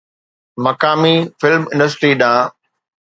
مقامي film industry ڏانهن